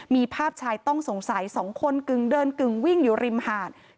มีภาพชายต้องสงสัย๒คนกึ่งเดินกึ่งวิ่งอยู่ริมหาด